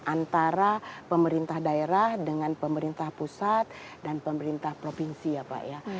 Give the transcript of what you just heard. antara pemerintah daerah dengan pemerintah pusat dan pemerintah provinsi ya pak ya